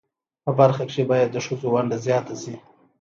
په برخه کښی باید د خځو ونډه ځیاته شی